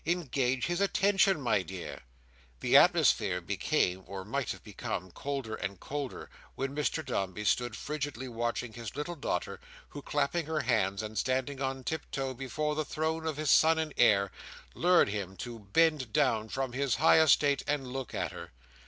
Engage his attention, my dear!" The atmosphere became or might have become colder and colder, when Mr Dombey stood frigidly watching his little daughter, who, clapping her hands, and standing on tip toe before the throne of his son and heir, lured him to bend down from his high estate, and look at her.